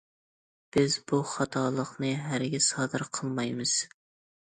« بىز بۇ خاتالىقنى ھەرگىز سادىر قىلمايمىز».